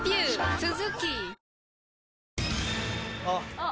あっ。